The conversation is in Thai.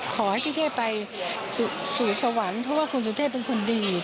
ขอให้พี่เทพไปสู่สวรรค์เพราะว่าคุณสุเทพเป็นคนดี